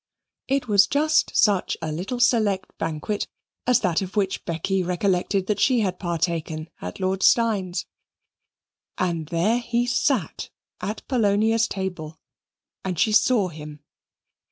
It was just such a little select banquet as that of which Becky recollected that she had partaken at Lord Steyne's and there he sat at Polonia's table, and she saw him.